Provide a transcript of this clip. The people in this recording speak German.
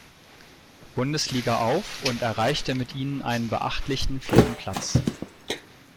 Bundesliga auf und erreichte mit ihnen einen beachtlichen vierten Platz.